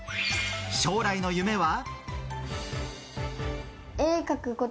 将来の夢は。